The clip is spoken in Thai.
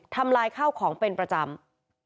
ทำลายข้าวของเป็นประจำ